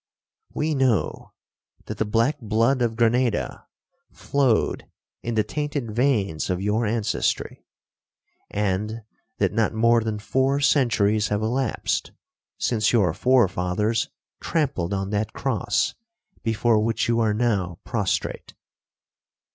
We know that the black blood of Grenada flowed in the tainted veins of your ancestry, and that not more than four centuries have elapsed, since your forefathers trampled on that cross before which you are now prostrate.